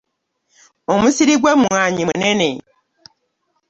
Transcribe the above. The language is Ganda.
Omusiri gwe mwanyi munene.